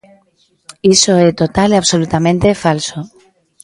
Iso é total e absolutamente falso.